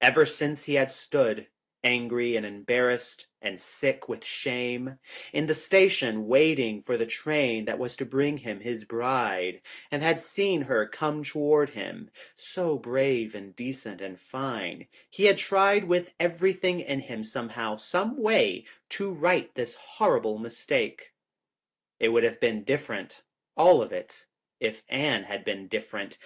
Ever since he had stood, angry and em barrassed and sick with shame, in the station waiting for the train that was to bring him his bride, and had seen her come toward him, so brave and decent and fine, he had tried with everything in him somehow, someway, to right this horrible mistake. It would have been different, all of it, if Anne had been different.